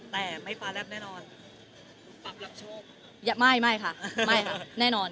แต่ไม่ฟ้าแรปแน่นอน